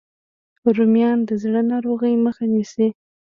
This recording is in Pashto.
رومیان د زړه د ناروغیو مخه نیسي